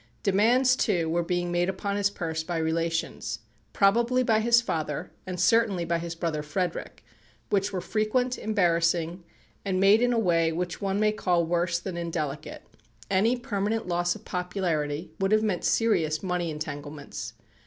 Demands, too, were being made upon his purse by relations, probably by his father, and certainly by his brother Frederic, which were frequent, embarrassing, and made in a way which one may call worse than indelicate. Any permanent loss of popularity would have meant serious money entanglements.